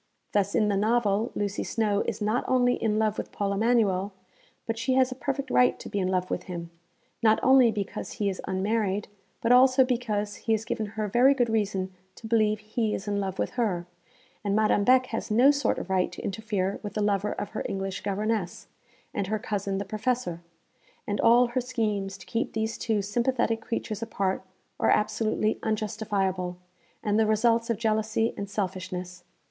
Thus, in the novel Lucy Snowe is not only in love with Paul Emanuel, but she has a perfect right to be in love with him, not only because he is unmarried, but also because he has given her very good reason to believe he is in love with her: and Madame Beck has no sort of right to interfere with the lover of her English governess, and her cousin the Professor; and all her schemes to keep these two sympathetic creatures apart are absolutely unjustifiable, and the results of jealousy and selfishness.